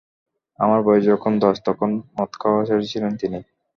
আমার বয়স যখন দশ, তখন মদ খাওয়া ছেড়েছিলেন তিনি।